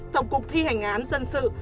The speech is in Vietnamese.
tổng cục thi hành án dân sự